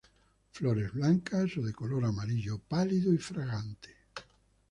Flores blancas o de color amarillo pálido y fragante.